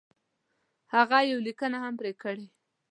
هغه یوه لیکنه هم پر کړې.